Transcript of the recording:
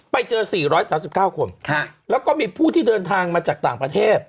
ไปเจอ๔๓๙คนแล้วก็มีผู้ที่เดินทางมาจากต่างประเทศ